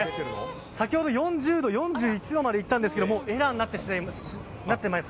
先ほど４０度、４１度までいったんですがもうエラーになってます。